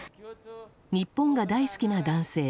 日本が大好きな男性。